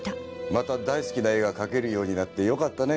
また大好きな絵が描けるようになってよかったね。